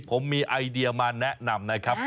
ผมมีไอเดียมาแนะนำนะครับ